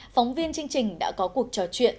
phóng viên chương trình đã có cuộc trò chuyện